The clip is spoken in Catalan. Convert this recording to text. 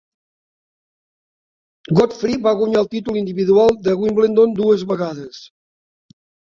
Godfree va guanyar el títol individual de Wimbledon dues vegades.